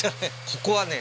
ここはね